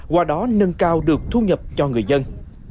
qua đó nâng cao được thu nhập cho người dân